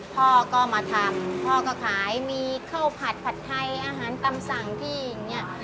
พ่อก็มาทำพ่อก็ขายมีข้าวผัดผัดไทยอาหารตำสั่งที่อย่างนี้